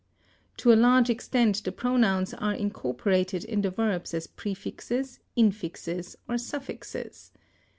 To a large extent the pronouns are incorporated in the verbs as prefixes, infixes, or suffixes.